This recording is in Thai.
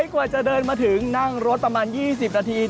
กว่าจะเดินมาถึงนั่งรถประมาณ๒๐นาที